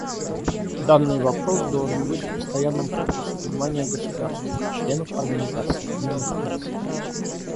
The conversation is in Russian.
Данный вопрос должен быть в постоянном фокусе внимания государств — членов Организации Объединенных Наций.